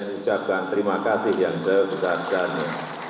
serta juga saya ucapkan terima kasih yang sebesar besarnya